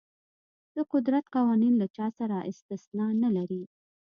د قدرت قوانین له چا سره استثنا نه لري.